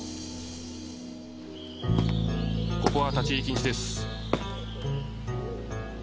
ここは立ち入り禁止です。